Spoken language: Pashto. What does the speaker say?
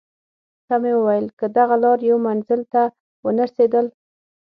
ته مې وویل: که دغه لار یو منزل ته ونه رسېدل.